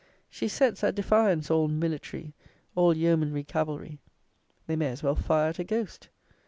She sets at defiance all 'military,' all 'yeomanry cavalry.' They may as well fire at a ghost.